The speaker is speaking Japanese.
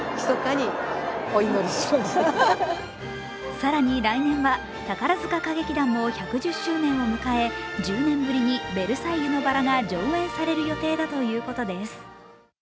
更に来年は、宝塚歌劇団も１１０周年を迎え、１０年ぶりに「ベルサイユのばら」が上演される予定だということです。